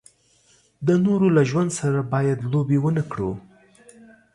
د نورو له ژوند سره باید لوبې و نه کړو.